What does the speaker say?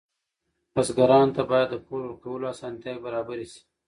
بزګرانو ته باید د پور ورکولو اسانتیاوې برابرې شي.